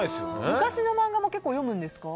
昔の漫画も結構読むんですか？